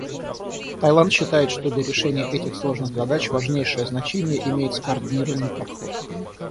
Таиланд считает, что для решения этих сложных задач важнейшее значение имеет скоординированный подход.